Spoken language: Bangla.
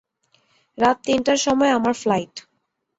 রাত তিনটার সময় আমার ফ্লাইট।